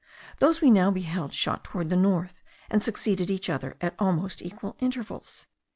Those we now beheld shot towards the north, and succeeded each other at almost equal intervals.